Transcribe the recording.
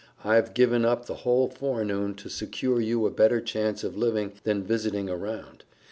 "I've given up the whole forenoon to secure you a better chance of living than visiting around.